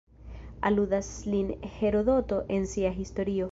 Aludas lin Herodoto en sia Historio.